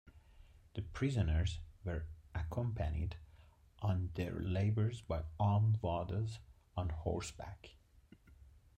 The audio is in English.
The prisoners were accompanied on their labours by armed warders on horseback.